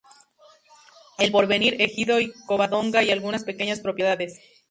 El Porvenir, Ejido Covadonga y algunas pequeñas propiedades.